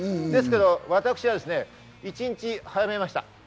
ですから、私は一日、早めました。